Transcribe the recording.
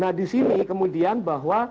nah di sini kemudian bahwa